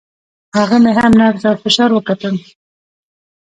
هغه مې هم نبض او فشار وکتل.